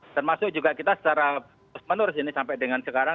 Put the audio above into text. termasuk juga kita secara menurus ini sampai dengan sekarang